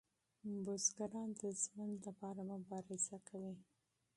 بزګران د ژوند لپاره مبارزه کوي.